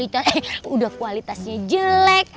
iya udah kualitasnya jelek